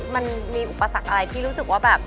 มันมีอุปสรรคอะไรที่รู้สึกว่าแบบ